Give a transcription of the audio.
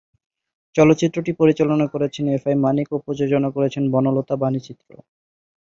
চলচ্চিত্রটি পরিচালনা করেছেন এফ আই মানিক ও প্রযোজনা করেছে বনলতা বাণীচিত্র।